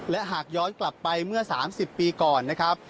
และหากย้อนกลับไปเมื่อ๓๐ปีก่อนนะครับ